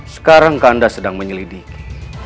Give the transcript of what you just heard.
sekarang kanda sedang menyelidiki